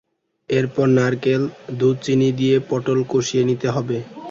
এরপর নারকেল দুধ চিনি দিয়ে পটল কষিয়ে নিতে হবে।